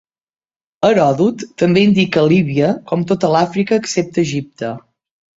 Heròdot també indica Líbia com tota l'Àfrica excepte Egipte.